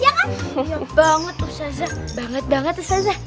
iya banget ustazah banget banget ustazah